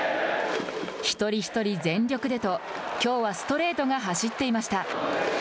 １人１人全力でときょうはストレートが走っていました。